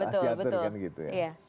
diaturkan gitu ya